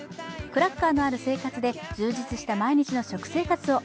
クラッカーのある生活で充実した毎日の食生活を！